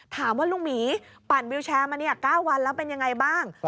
ถามว่าลุงหมีปั่นวิวแชร์มา๙วันแล้วเป็นยังไงบ้าง